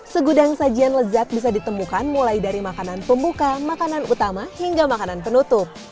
segudang sajian lezat bisa ditemukan mulai dari makanan pembuka makanan utama hingga makanan penutup